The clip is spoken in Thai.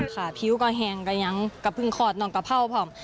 ขาผิวก็แหงก็ยังกระพึงคอดน้องกระเภาพร้อม